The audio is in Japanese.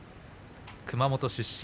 熊本市出身。